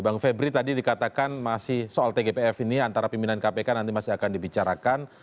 bang febri tadi dikatakan masih soal tgpf ini antara pimpinan kpk nanti masih akan dibicarakan